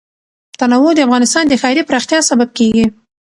تنوع د افغانستان د ښاري پراختیا سبب کېږي.